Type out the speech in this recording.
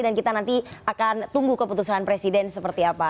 dan kita nanti akan tunggu keputusan presiden seperti apa